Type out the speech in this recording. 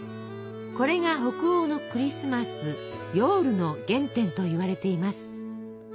これが北欧のクリスマスヨウルの原点といわれています。